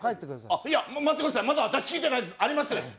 いや、待ってください、まだ私、見せてないです。